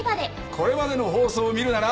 これまでの放送を見るなら。